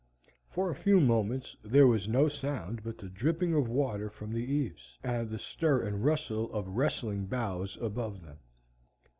For a few moments there was no sound but the dripping of water from the eaves, and the stir and rustle of wrestling boughs above them.